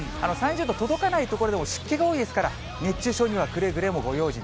３０度届かない所でも湿気が多いですから、熱中症にはくれぐれもご用心。